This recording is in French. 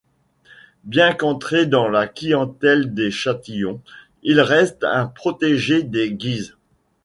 Bien qu'entré dans la clientèle des Châtillon, il reste un protégé des Guise.